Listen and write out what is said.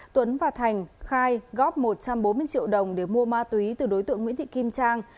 tuấn và thành khai góp một trăm bốn mươi triệu đồng để mua ma túy từ đối tượng nguyễn thị kim trang